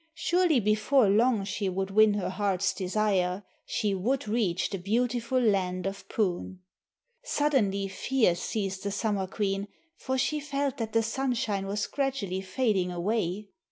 Surely before long she would win her heart's desire, she would reach the beautiful land of Poon. Suddenly fear seized the Summer Queen, for she felt that the sunshine was gradually fading away.